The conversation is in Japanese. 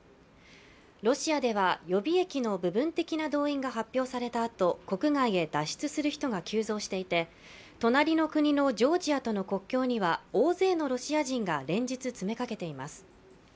ロシアでは予備役の部分的な動員が発表されたあと国外へ脱出する人が急増していて隣の国のジョージアとの国境には大勢のロシア人が連日詰めかけています。